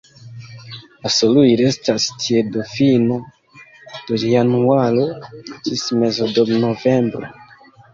La suloj restas tie de fino de januaro ĝis mezo de novembro.